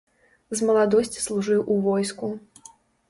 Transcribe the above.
З маладосці служыў у войску.